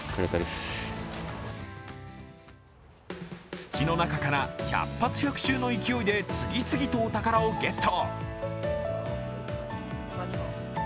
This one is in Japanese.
土の中から百発百中の勢いで次々とお宝をゲット。